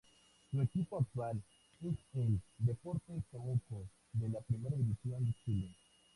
Su equipo actual es el Deportes Temuco de la Primera División de Chile.